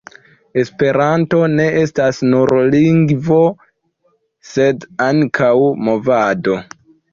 Esperanto ne estas nur lingvo, sed ankaŭ movado.